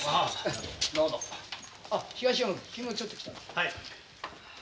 はい。